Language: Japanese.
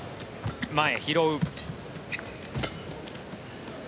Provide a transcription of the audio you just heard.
前、拾う。